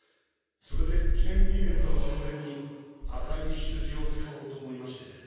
それで記念イベントの宣伝に赤いヒツジを使おうと思いまして。